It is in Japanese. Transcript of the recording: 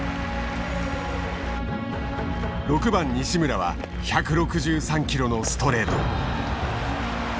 ６番西村は１６３キロのストレート。